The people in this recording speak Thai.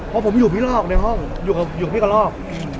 มันอยู่พี่ลอกในห้องอยู่กับพี่ก็ลอก